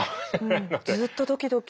ずっとドキドキ。